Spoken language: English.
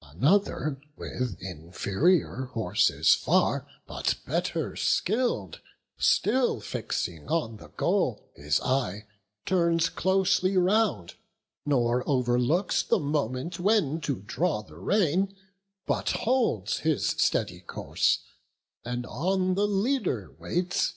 Another, with inferior horses far, But better skill'd, still fixing on the goal His eye, turns closely round, nor overlooks The moment when to draw the rein; but holds His steady course, and on the leader waits.